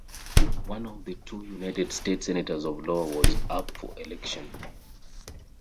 One of the two United States Senators of Iowa was up for election.